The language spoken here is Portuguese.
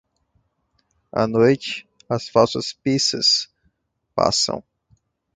À noite, as falsas pissas passam.